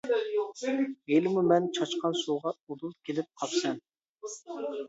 ھېلىمۇ مەن چاچقان سۇغا ئۇدۇل كېلىپ قاپسەن.